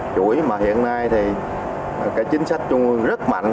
chuỗi mà hiện nay thì cái chính sách trung ương rất mạnh